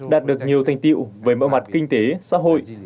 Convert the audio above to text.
đạt được nhiều thành tiệu về mọi mặt kinh tế xã hội